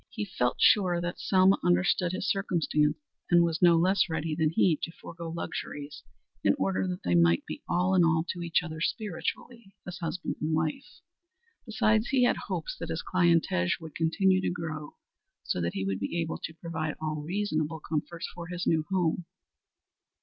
He felt sure that Selma understood his circumstances and was no less ready than he to forego luxuries in order that they might be all in all to each other spiritually as husband and wife. Besides he had hopes that his clientage would continue to grow so that he would be able to provide all reasonable comforts for his new home.